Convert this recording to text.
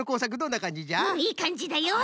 うんいいかんじだよ。